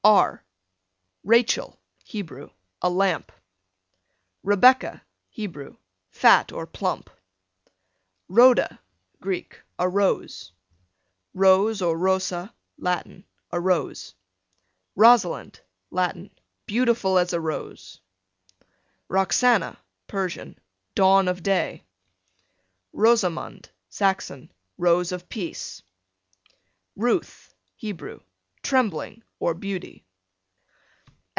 R Rachel, Hebrew, a lamb. Rebecca, Hebrew, fat or plump. Rhoda, Greek, a rose. Rose or Rosa, Latin, a rose. Rosalind, Latin, beautiful as a rose. Roxana, Persian, dawn of day. Rosamond, Saxon, rose of peace. Ruth, Hebrew, trembling, or beauty.